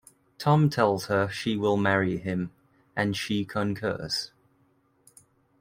Tom tells her she will marry him, and she concurs.